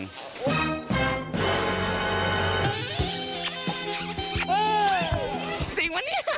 จริงวะเนี่ย